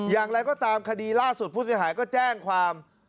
อย่างไรก็ตามคดีล่าสุดผู้เสียหายก็แจ้งความ